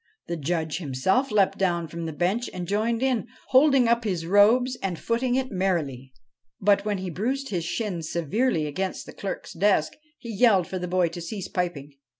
The Judge himself leapt down from the bench and joined in, holding up his robes and footing it merrily. But, when he bruised his shins severely against the clerk's desk, he yelled for the boy to cease piping.